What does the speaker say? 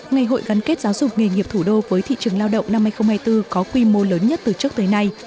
ngày hội gắn kết giáo dục nghề nghiệp thủ đô với thị trường lao động năm hai nghìn hai mươi bốn có quy mô lớn nhất từ trước tới nay